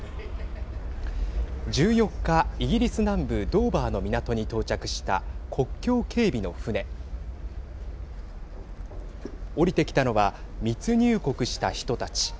１４日、イギリス南部ドーバーの港に到着した国境警備の船。降りてきたのは密入国した人たち。